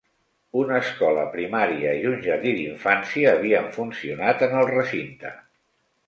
Una escola primària i un jardí d'infància havien funcionat en el recinte.